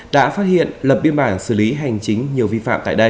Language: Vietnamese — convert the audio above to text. đã phát hiện lập biên bản xử lý hành chính nhiều vi phạm tại đây